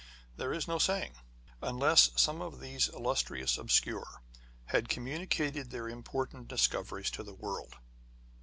There is no saying, unless some of these illustrious obscure had communicated their im portant discoveries to the world.